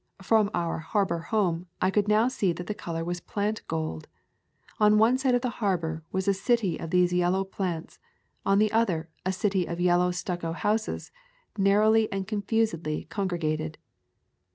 From our harbor home I could now see that the color was plant gold. On one side of the harbor was a city of these yellow plants; on the other, a city of yellow stucco houses, narrowly and confusedly congregated.